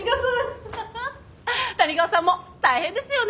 谷川さんも大変ですよね。